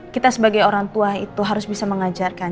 kita sebagai orang tua itu harus bisa mengajarkan